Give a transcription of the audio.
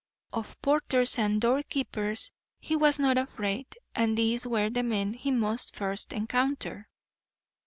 Of porters and doorkeepers he was not afraid, and these were the men he must first encounter.